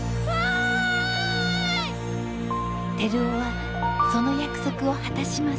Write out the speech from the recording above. てるおはその約束を果たします。